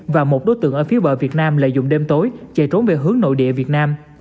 và một đối tượng ở phía bờ việt nam lợi dụng đêm tối chạy trốn về hướng nội địa việt nam